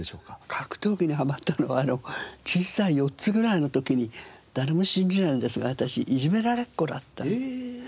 格闘技にハマったのはあの小さい４つぐらいの時に誰も信じないんですが私いじめられっ子だった。